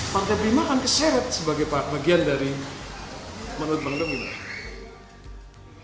pak kedri mah akan keseret sebagai bagian dari menurut pak kedri mah